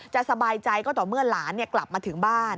สบายใจก็ต่อเมื่อหลานกลับมาถึงบ้าน